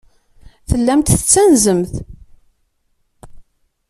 Tellamt tettanzemt.